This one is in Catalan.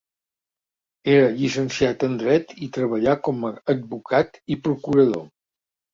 Era llicenciat en dret i treballà com a advocat i procurador.